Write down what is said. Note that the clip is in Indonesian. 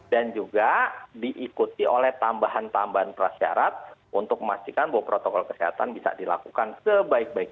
dan juga diikuti oleh tambahan tambahan persyarat untuk memastikan bahwa protokol kesehatan bisa dilakukan sebaik baiknya